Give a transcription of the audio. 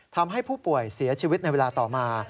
ทำให้ผู้ป่วยเสียชีวิตในเวลาต่อมา